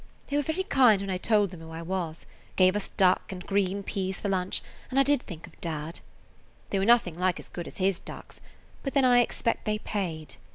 They were very kind when I told [Page 108] them who I was; gave us duck and green peas for lunch and I did think of dad. They were nothing like as good as his ducks, but then I expect they paid.